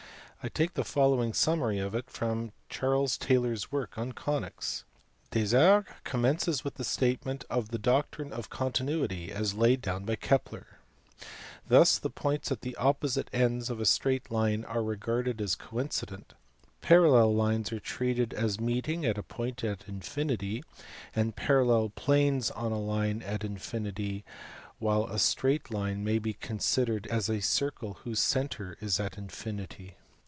I take the following summary of it from Ch. Taylor s work on conies. Desargues commences with a statement of the doctrine of continuity as laid down by Kepler : thus the points at the opposite ends of a straight line are regarded as coincident, parallel lines are treated as meeting at a point at infinity, and parallel planes on a line at infinity, while a straight line may be considered as a circle whose centre is at infinity.